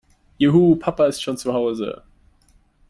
Juhu, Papa ist schon zu Hause!